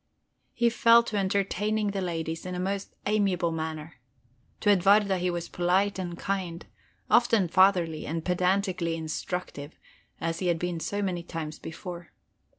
He fell to entertaining the ladies in the most amiable manner. To Edwarda he was polite and kind, often fatherly, and pedantically instructive, as he had been so many times before.